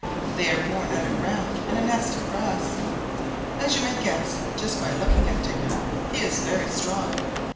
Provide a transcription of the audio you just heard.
They are born under ground in a nest of grass. As you may guess just by looking at Digger, he is very strong.